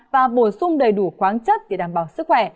và bổ sung đầy đủ khoáng chất để đảm bảo sức khỏe